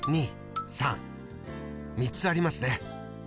３つありますね。